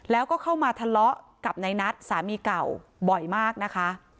แล้วก็เข้ามาทะเลาะกับในนัทสามีเก่าบ่อยมากนะคะ